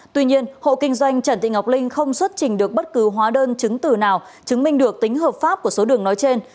tuy nhiên hộ kinh doanh trần thị ngọc linh không xuất trình được bất cứ hóa đơn chứng từ nào chứng minh được tính hợp pháp của số đường nói trên